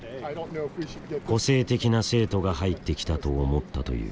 個性的な生徒が入ってきたと思ったという。